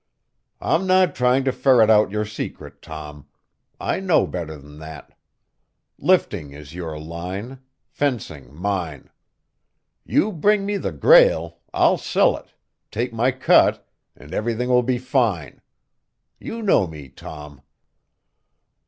"I'm not trying to ferret out your secret, Tom. I know better than that. Lifting is your line, fencing mine. You bring me the Grail, I'll sell it, take my cut, and everything will be fine. You know me, Tom."